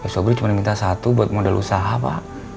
sobri cuma minta satu buat modal usaha pak